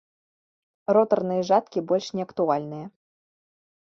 Ротарныя жаткі больш не актуальныя.